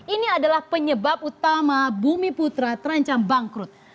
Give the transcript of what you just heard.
ini adalah penyebab utama bumi putra terancam bangkrut